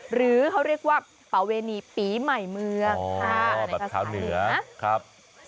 หรือเขาเรียกว่าปาเวนีปีใหม่เมืองค่ะแบบภาษาเหนือครับอ๋อแบบขาวเหนือ